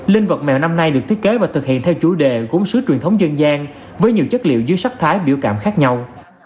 linh vật mèo năm nay được thiết kế và thực hiện theo chủ đề gốm sứ truyền thống dân gian với nhiều chất liệu dưới sắc thái biểu cảm khác nhau